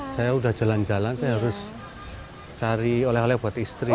saya udah jalan jalan saya harus cari oleh oleh buat istri